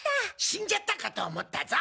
死んじゃったかと思ったぞ！